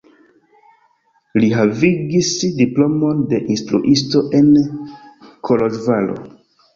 Li havigis diplomon de instruisto en Koloĵvaro.